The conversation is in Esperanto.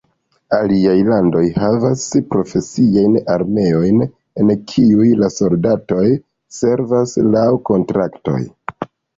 Aliaj landoj havas profesiajn armeojn en kiuj la soldatoj servas laŭ kontraktoj.